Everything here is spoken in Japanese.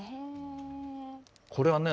これはね